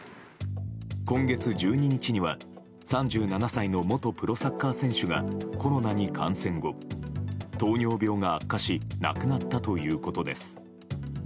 今月１２日には３７歳の元プロサッカー選手がコロナに感染後糖尿病が悪化し亡くなったということです。